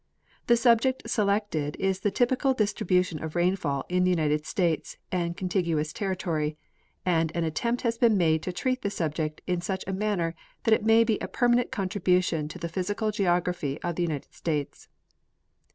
The subject selected is the typical distribution of rainfall in the United States and contiguous territory, and an attempt has been made to treat the subject in such a manner that it may be a permanent contribution to the physical geography of the United States.